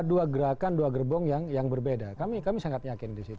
dua gerakan dua gerbong yang berbeda kami sangat yakin di situ